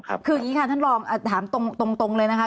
คืออย่างนี้ค่ะท่านรองถามตรงเลยนะคะ